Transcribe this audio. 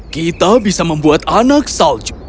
kita bisa membuat anak salju